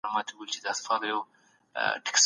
هغوی غوښتل بالاحصار دې ور وسپارل شي.